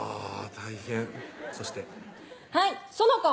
大変そしてはい園子！